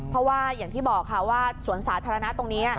เพราะว่าอย่างที่บอกค่ะว่าสวนสาธารณะตรงนี้